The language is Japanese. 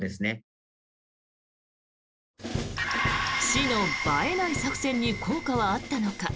市の映えない作戦に効果はあったのか。